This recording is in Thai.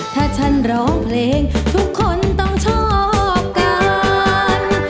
ถ้าฉันร้องเพลงทุกคนต้องชอบกัน